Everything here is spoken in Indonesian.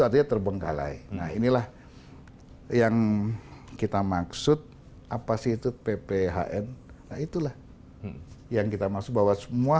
artinya terbengkalai nah inilah yang kita maksud apa sih itu pphn nah itulah yang kita maksud bahwa semua